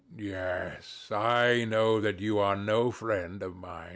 [angrily] Yes: I know that you are no friend of mine.